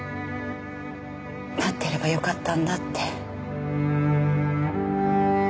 待ってればよかったんだって。